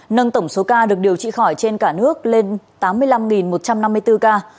nâng tổng số ca được điều trị khỏi trên cả nước lên tám mươi năm một trăm năm mươi bốn ca